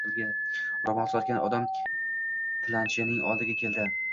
Ro`mol sotgan odam tilanchining oldiga keldi